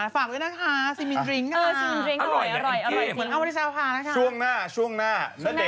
ไปดูช่วงหน้าช่วงหน้า